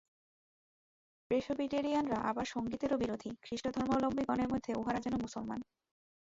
প্রেসবিটেরিয়ানরা আবার সঙ্গীতেরও বিরোধী, খ্রীষ্টধর্মাবলম্বিগণের মধ্যে উহারা যেন মুসলমান।